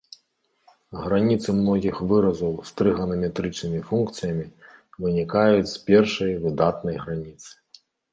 Граніцы многіх выразаў з трыганаметрычнымі функцыямі вынікаюць з першай выдатнай граніцы.